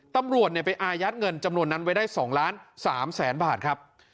ตำรวจเนี่ยไปอายัดเงินจำนวนนั้นไว้ได้๒๓๐๐๐๐๐บาทครับ